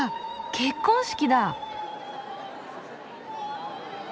結婚式だ！